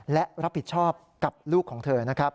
และรับผิดชอบกับลูกของเธอนะครับ